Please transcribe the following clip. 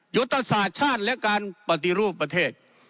ยุทธศาสตร์ชาติและการปฏิรูปประเทศ